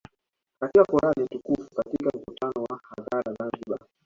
katika Quran Tukufu Katika mkutano wa hadhara Zanzibar